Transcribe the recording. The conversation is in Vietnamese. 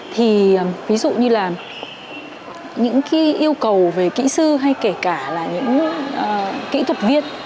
thì ví dụ như là những cái yêu cầu về kỹ sư hay kể cả là những kỹ thuật viên